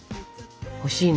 欲しいな。